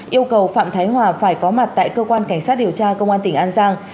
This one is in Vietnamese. yêu cầu phạm thái hòa phải có mặt tại cơ quan cảnh sát điều tra công an tỉnh an giang